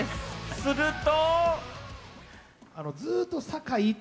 すると。